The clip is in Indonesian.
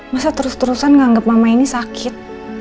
masa terus terusan nganggep mama ini sakit